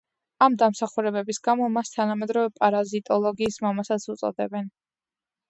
ამ დამსახურებების გამო მას თანამედროვე პარაზიტოლოგიის მამასაც უწოდებენ.